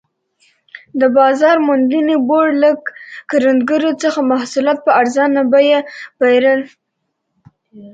د بازار موندنې بورډ له کروندګرو څخه محصولات په ارزانه بیه پېرل.